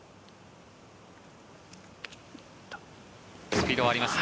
スピードがあります。